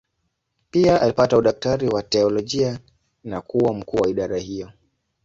Pia alipata udaktari wa teolojia na kuwa mkuu wa idara hiyo.